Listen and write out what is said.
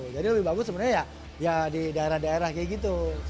jadi lebih bagus sebenarnya ya di daerah daerah kayak gitu